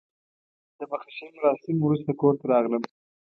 د مخه ښې مراسمو وروسته کور ته راغلم.